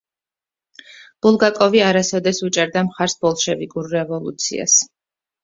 ბულგაკოვი არასოდეს უჭერდა მხარს ბოლშევიკურ რევოლუციას.